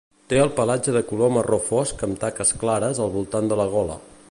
Té el pelatge de color marró fosc amb taques clares al voltant de la gola.